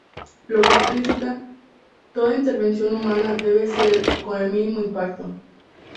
Lo que explicita: ""toda intervención humana debe ser con el mínimo impacto"".